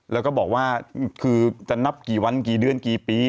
แล้วก็บอกว่าคือจะนับกี่วันกี่เดือนกี่ปี